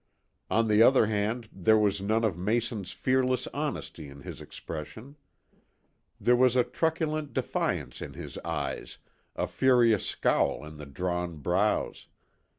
On the other hand there was none of Mason's fearless honesty in his expression. There was a truculent defiance in his eyes, a furious scowl in the drawn brows.